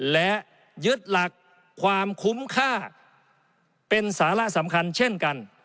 และยึดหลักความคุ้มค่าเป็นสาระสำคัญเช่นกัน